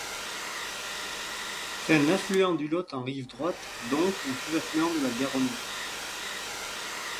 C'est un affluent du Lot en rive droite, donc un sous-affluent de la Garonne.